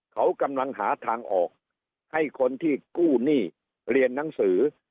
เขากำลังหาทางออกให้คนที่กู้หนี้เรียนหนังสือ